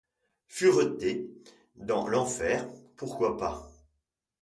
Fureter dans l’enfer ; pourquoi pas ?